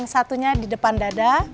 lalu taruh tangannya di depan dada